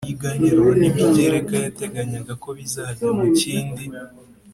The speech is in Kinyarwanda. iyiganteruro n’imigereka yateganyaga ko bizajya mu kindi